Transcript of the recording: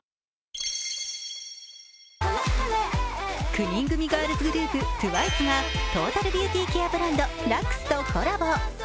９人組ガールズグループＴＷＩＣＥがトータルビューティーケアブランド、ＬＵＸとコラボ。